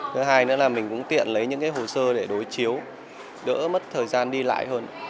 thứ hai nữa là mình cũng tiện lấy những hồ sơ để đối chiếu đỡ mất thời gian đi lại hơn